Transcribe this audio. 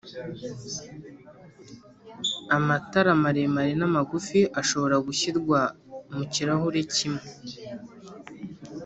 Amatara maremare n’amagufi ashobora gushyirwa mu kirahure kimwe